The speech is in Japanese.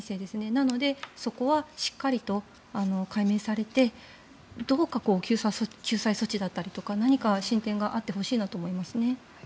なので、そこはしっかりと解明されてどうか救済措置だったりとか何か進展があってほしいなと思いますね。